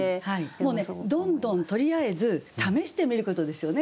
もうねどんどんとりあえず試してみることですよね。